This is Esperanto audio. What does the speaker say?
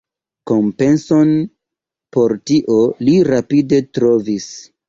Kompenson por tio li rapide trovis.